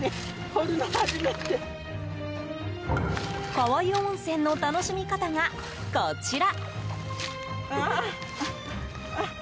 川湯温泉の楽しみ方がこちら。